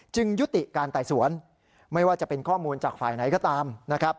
ยุติการไต่สวนไม่ว่าจะเป็นข้อมูลจากฝ่ายไหนก็ตามนะครับ